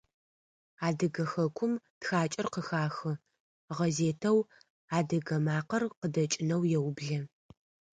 Адыгэ хэкум тхакӏэр къыхахы, гъэзетэу «Адыгэ макъэр» къыдэкӏынэу еублэ.